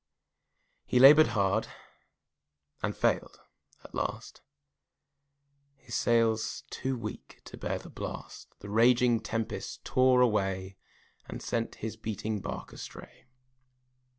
He labored hard and failed at last, His sails too weak to bear the blast, The raging tempests tore away And sent his beating bark astray.